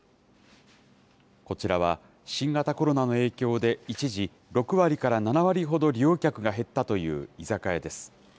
こちらは新型コロナの影響で一時、６割から７割ほど利用客が減ったという居酒屋です。